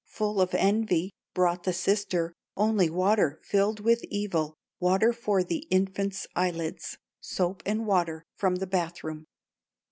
"Full of envy, brought the sister Only water filled with evil, Water for the infant's eyelids, Soap and water from the bath room.